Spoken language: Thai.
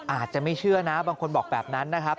อาจจะไม่เชื่อนะบางคนบอกแบบนั้นนะครับ